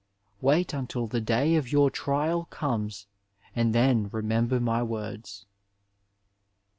Wait until the day of your trial comes and then remember my words.